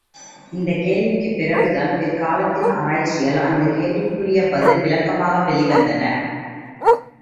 இந்த கேள்விக்குப் பிறகுதான், பிற்காலத்தின் ஆராய்ச்சியால் அந்தக் கேள்விக்குரிய பதில் விளக்கமாக வெளி வந்தன!